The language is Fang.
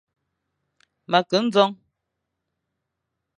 Ma ke ndjong.